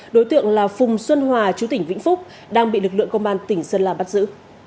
đối tượng là phùng xuân hòa chú tỉnh vĩnh phúc đang bị lực lượng công an tỉnh sơn la bắt giữ